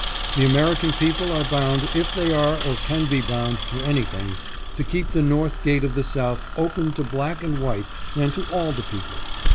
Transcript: The American people are bound, if they are or can be bound to anything, to keep the north gate of the South open to black and white and to all the people.